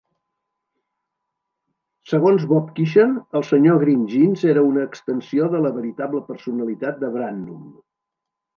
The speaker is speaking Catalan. Segons Bob Keeshan, el senyor Green Jeans era una extensió de la veritable personalitat de Brannum.